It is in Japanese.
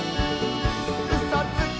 「うそつき！」